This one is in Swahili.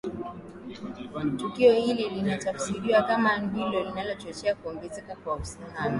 Tukio hili linatafsiriwa kama ndilo lililochochea kuongezeka kwa uhasama